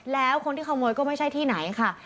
แล้วคนที่ขโมยก็ไม่ใช่ที่ไหนค่ะ